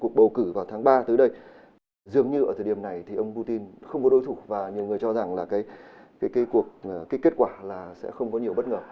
cuộc bầu cử vào tháng ba tới đây dường như ở thời điểm này thì ông putin không có đối thủ và nhiều người cho rằng là cái kết quả là sẽ không có nhiều bất ngờ